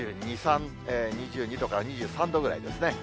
２２度から２３度ぐらいですね。